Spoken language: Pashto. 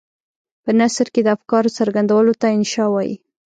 په نثر کې د افکارو څرګندولو ته انشأ وايي.